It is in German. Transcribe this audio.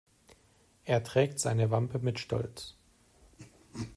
Er trägt seine Wampe mit Stolz.